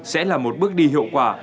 sẽ là một bước đi hiệu quả